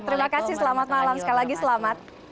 terima kasih selamat malam